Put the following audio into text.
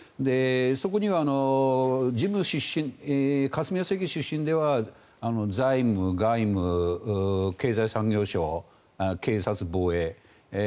そこには霞が関出身では財務、外務、経済産業省警察、防衛。